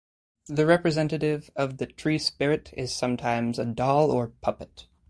The representative of the tree-spirit is sometimes a doll or puppet.